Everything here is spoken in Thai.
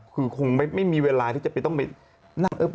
คือคงไม่มีเวลาที่จะไปต้องไปนั่ง